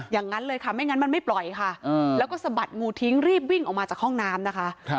อย่างนั้นเลยค่ะไม่งั้นมันไม่ปล่อยค่ะแล้วก็สะบัดงูทิ้งรีบวิ่งออกมาจากห้องน้ำนะคะ